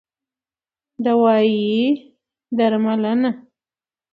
دوايي √ درملنه